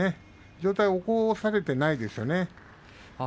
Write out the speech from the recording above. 上体を起こされていないですよね。